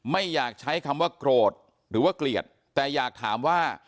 ไม่อยากใช้คำว่าโกรธหรือว่าเกลียดแต่อยากถามว่า